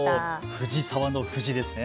藤沢の藤ですね。